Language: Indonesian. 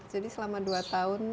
jadi selama dua tahun